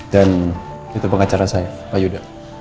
dan itu pengacara saya pak yuda